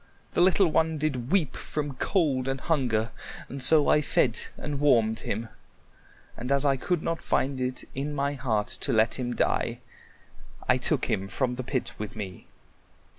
"The little one did weep from cold and hunger, and so I fed and warmed him. And as I could not find it in my heart to let him die, I took him from the pit with me."